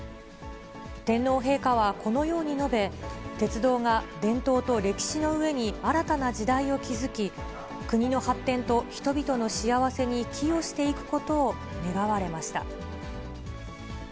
天皇陛下はこのように述べ、鉄道が伝統と歴史の上に新たな時代を築き、国の発展と人々の幸せに寄与していくことを願われました。